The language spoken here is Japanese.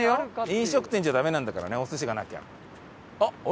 飲食店じゃダメなんだからねお寿司がなきゃ。